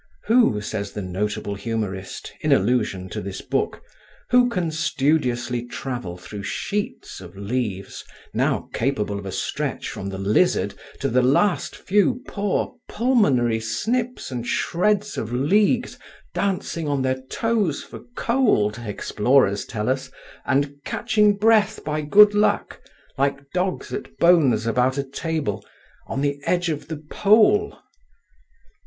Who, says the notable humourist, in allusion to this Book, who can studiously travel through sheets of leaves now capable of a stretch from the Lizard to the last few poor pulmonary snips and shreds of leagues dancing on their toes for cold, explorers tell us, and catching breath by good luck, like dogs at bones about a table, on the edge of the Pole?